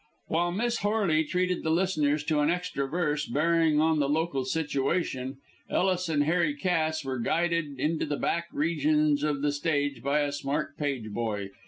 While Miss Horley treated the listeners to an extra verse bearing on the local situation, Ellis and Harry Cass were guided into the back regions of the stage by a smart page boy.